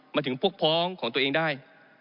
มาถึงพวกพ้องของตัวเองได้